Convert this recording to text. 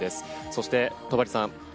そして戸張さん